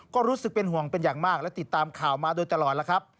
ก็รู้สึกเป็นห่วงเป็นอย่างมากและติดตามข่าวมาโดยตลอดแล้วครับ